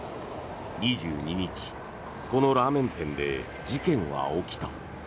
２２日、このラーメン店で事件は起きた。